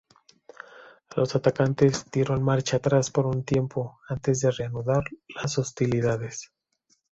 Los atacantes dieron marcha atrás por un tiempo antes de reanudar las hostilidades.